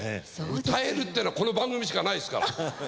歌えるってのはこの番組しかないですから。